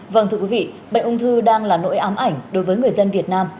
vâng thưa quý vị bệnh ung thư đang là nỗi ám ảnh đối với người dân việt nam